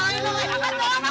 aduh di situ